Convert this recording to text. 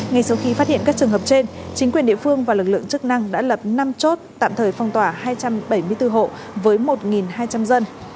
ngay sau khi phát hiện các trường hợp trên chính quyền địa phương và lực lượng chức năng đã lập năm chốt tạm thời phong tỏa hai trăm bảy mươi bốn hộ với một hai trăm linh dân